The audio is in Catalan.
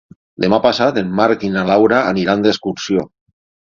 Demà passat en Marc i na Laura aniran d'excursió.